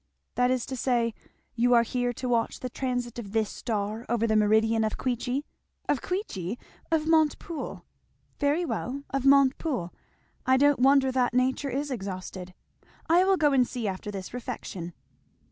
"That is to say, you are here to watch the transit of this star over the meridian of Queechy?" "Of Queechy! of Montepoole." "Very well of Montepoole. I don't wonder that nature is exhausted. I will go and see after this refection."